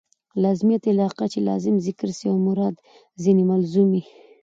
لازمیت علاقه؛ چي لازم ذکر سي او مراد ځني ملزوم يي.